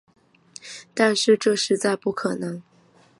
但是这实在不可能